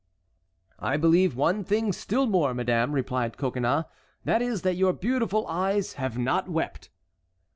"I believe one thing still more, madame," replied Coconnas; "that is, that your beautiful eyes have not wept."